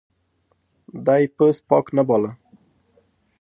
دی پوست پاک نه باله.